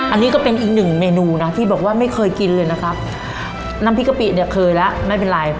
อันนี้ก็เป็นอีกหนึ่งเมนูนะที่บอกว่าไม่เคยกินเลยนะครับน้ำพริกกะปิเนี่ยเคยแล้วไม่เป็นไร